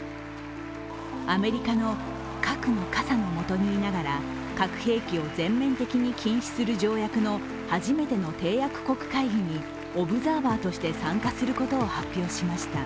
アメリカの核の傘の下にいながら核兵器を全面的に禁止する条約の初めての締約国会議にオブザーバーとして参加することを発表しました。